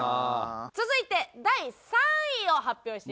続いて第３位を発表していきましょう。